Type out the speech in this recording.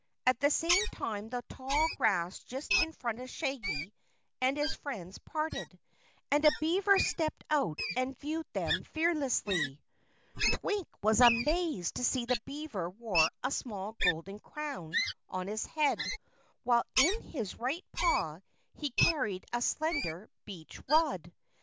At the same time the tall grass just in front of Shaggy and his friends parted, and a beaver stepped out and viewed them fearlessly. Twink was amazed to see that the beaver wore a small golden crown on his head, while in his right paw he carried a slender beech rod.